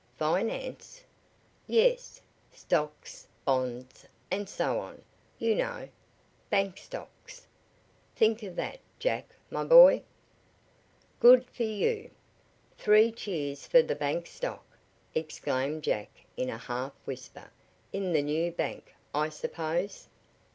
"Finance?" "Yes. Stocks bonds and so on, you know. Bank stocks. Think of that, Jack, my boy!" "Good for you! Three cheers for the bank stock!" exclaimed Jack in a half whisper. "In the new bank, I suppose?"